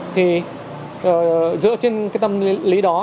thì dựa trên tâm lý đó